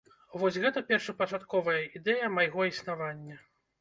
Вось гэта першапачатковая ідэя майго існавання.